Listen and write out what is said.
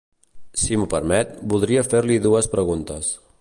Si m'ho permet, voldria fer-li dues preguntes.